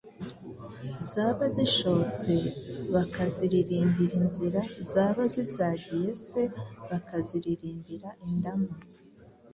zaba zishotse bakaziririmbira inzira zaba zibyagiye se bakaziririmbira indama